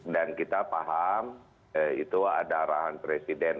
dan kita paham itu ada arahan presiden